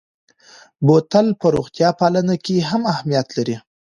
بوتل په روغتیا پالنه کې هم اهمیت لري.